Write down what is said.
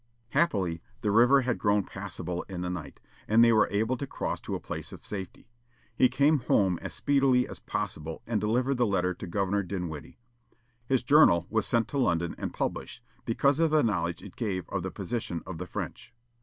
Happily, the river had grown passable in the night, and they were able to cross to a place of safety. He came home as speedily as possible and delivered the letter to Governor Dinwiddie. His journal was sent to London and published, because of the knowledge it gave of the position of the French.